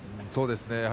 そうですね